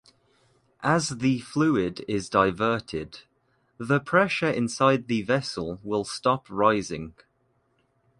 As the fluid is diverted, the pressure inside the vessel will stop rising.